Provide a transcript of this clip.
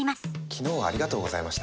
昨日はありがとうございました。